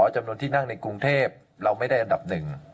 จำนวนที่นั่งในกรุงเทพเราไม่ได้อันดับหนึ่ง